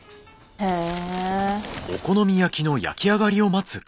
へえ。